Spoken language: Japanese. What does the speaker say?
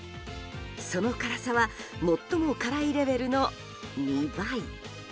その辛さは最も辛いレベルの２倍。